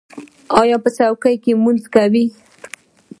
ایا په چوکۍ لمونځ کوئ؟